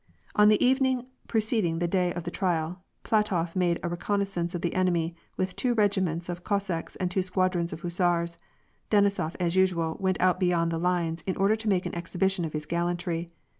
On the evening preceding the day of the trial, Platof made a reconnoissance of the enemy, with two regiments of Cos sacks and two squadrons of hussars. Denisof, as usual, went out beyond the lines, in order to make an exhibition of his gallantry.